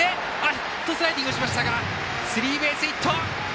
ヘッドスライディングしましたがスリーベースヒット！